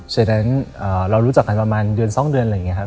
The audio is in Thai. ฉะนั้นเรารู้จักกันประมาณเดือน๒เดือนอะไรอย่างนี้ครับ